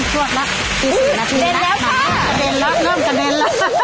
ชวดแล้ว๔๐นาทีแล้วเริ่มกระเด็นแล้ว